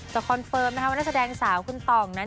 คอนเฟิร์มนะคะว่านักแสดงสาวคุณต่องนั้น